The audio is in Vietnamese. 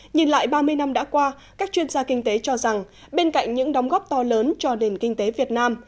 nhìn lại ba mươi năm đã qua các chuyên gia kinh tế cho rằng bên cạnh những đóng góp to lớn cho nền kinh tế việt nam